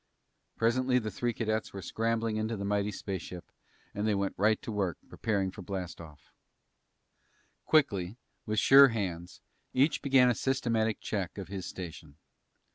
Presently the three cadets were scrambling into the mighty spaceship, and they went right to work, preparing for blast off. Quickly, with sure hands, each began a systematic check of his station.